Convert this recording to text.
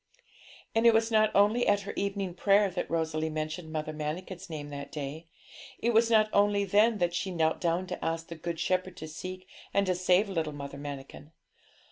And it was not only at her evening prayer that Rosalie mentioned Mother Manikin's name that day; it was not only then that she knelt down to ask the Good Shepherd to seek and to save little Mother Manikin.